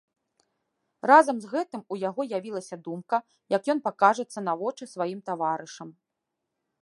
Разам з гэтым у яго явілася думка, як ён пакажацца на вочы сваім таварышам.